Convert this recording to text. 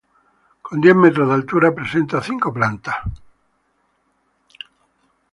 Con diez metros de altura, presenta cinco plantas.